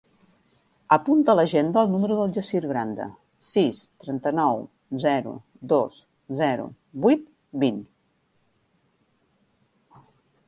Apunta a l'agenda el número del Yassir Granda: sis, trenta-nou, zero, dos, zero, vuit, vint.